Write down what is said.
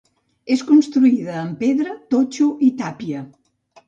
És construïda amb pedra, totxo i tàpia.